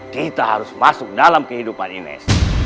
kita harus masuk dalam kehidupan imes